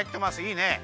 いいね。